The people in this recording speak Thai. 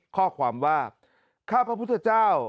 ข้อความว่าข้าพระพุทธเจ้า